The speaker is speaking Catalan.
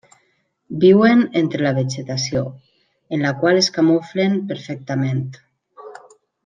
Viuen entre la vegetació, en la qual es camuflen perfectament.